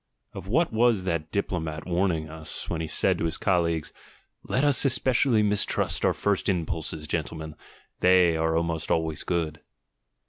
Of what was that diplomat warning us, when he said to his colleagues: "Let us especially mistrust our first impulses, gentlemen! they arc almost always good"?